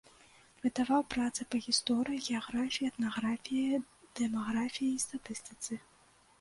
Выдаваў працы па гісторыі, геаграфіі, этнаграфіі, дэмаграфіі і статыстыцы.